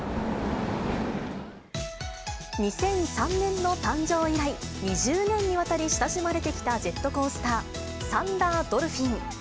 ２００３年の誕生以来、２０年にわたり親しまれてきたジェットコースター、サンダードルフィン。